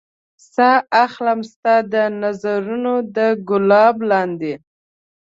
ساه اخلم ستا د نظرونو د ګلاب لاندې